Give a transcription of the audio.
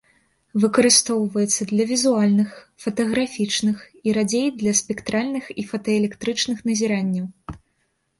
Выкарыстоўваецца для візуальных, фатаграфічных і, радзей, для спектральных і фотаэлектрычных назіранняў.